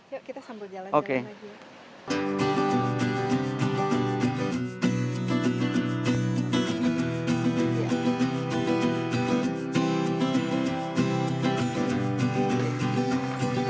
yuk kita sambil jalan jalan lagi